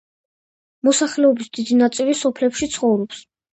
მოსახლეობის დიდი ნაწილი სოფლებში ცხოვრობს.